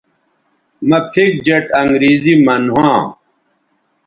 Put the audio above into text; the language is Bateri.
مہ پِھک جیٹ انگریزی من ھواں